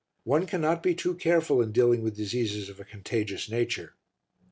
One cannot be too careful in dealing with diseases of a contagious nature.